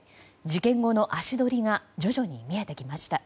事件後の足取りが徐々に見えてきました。